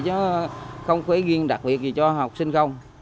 chứ không phải riêng đặc biệt gì cho học sinh không